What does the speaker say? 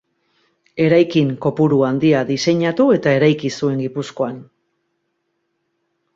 Eraikin kopuru handia diseinatu eta eraiki zuen Gipuzkoan.